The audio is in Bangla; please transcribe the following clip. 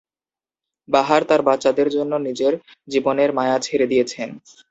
বাহার তার বাচ্চাদের জন্য নিজের জীবনের মায়া ছেড়ে দিয়েছেন।